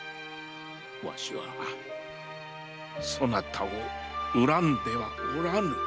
わしはそなたを恨んではおらん！